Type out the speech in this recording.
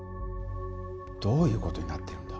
どういうことになってるんだ。